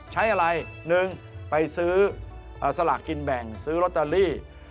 ใช้อะไร๑ไปซื้อสลักกินแบงค์ซื้อโรตาลี